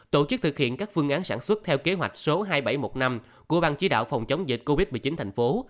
tổ chức thực hiện các phương án sản xuất theo kế hoạch số hai nghìn bảy trăm một mươi năm của bang chỉ đạo phòng chống dịch covid một mươi chín thành phố